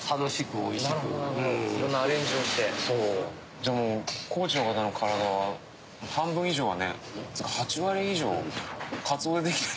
じゃあ高知の方の体は半分以上はね８割以上カツオでできてる。